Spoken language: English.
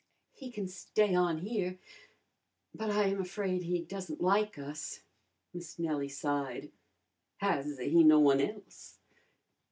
"He can stay on here. But I am afraid he doesn't like us," Miss Nellie sighed. "Has he no one else?"